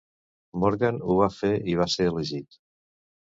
Morgan ho va fer i va ser elegit.